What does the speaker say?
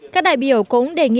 các đại biểu cũng đề nghị